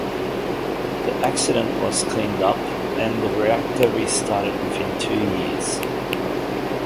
The accident was cleaned up and the reactor restarted within two years.